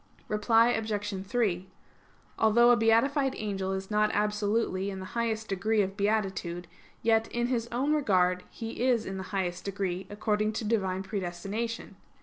Reply Obj. 3: Although a beatified angel is not absolutely in the highest degree of beatitude, yet, in his own regard he is in the highest degree, according to Divine predestination.